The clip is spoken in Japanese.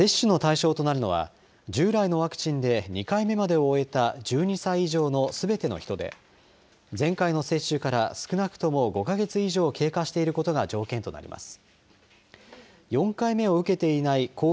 接種の対象となるのは従来のワクチンで２回目までを終えた１２歳以上のすべての人で前回の接種から少なくとも５か月以上経過していることが条件となります。